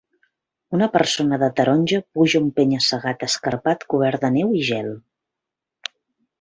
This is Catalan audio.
Una persona de taronja puja un penya-segat escarpat cobert de neu i gel.